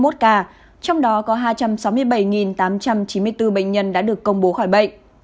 trong đó có hai trăm sáu mươi bảy tám trăm chín mươi bốn bệnh nhân đã được công bố khỏi bệnh